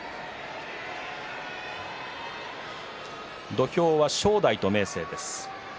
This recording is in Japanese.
土俵は正代と明生です。